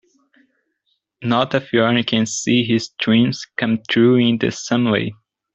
Not everyone can see his dreams come true in the same way.